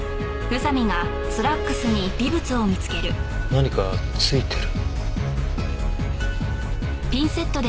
何か付いてる。